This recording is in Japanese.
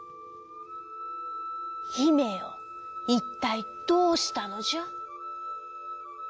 「ひめよいったいどうしたのじゃ？」。